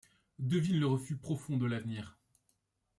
Devine le refus profond de l'avenir ;